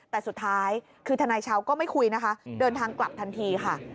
แต่สุดท้ายคือทนายชาวก็ไม่คุยนะคะเดินทางกลับทันทีค่ะ